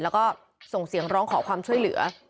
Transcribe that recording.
แล้วก็ส่งเสียงร้องขอความช่วยเหลือ